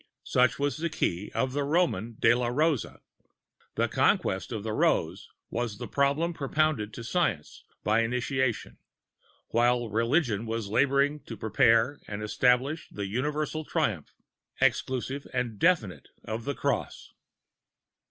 Such is the key of the Roman de la Rose. The Conquest of the Rose was the problem propounded to Science by Initiation, while Religion was laboring to prepare and establish the universal triumph, exclusive and definitive, of the Cross.